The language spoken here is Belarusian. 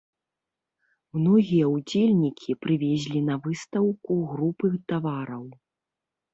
Многія ўдзельнікі прывезлі на выстаўку групы тавараў.